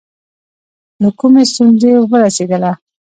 له کومې ستونزې ورسېدله.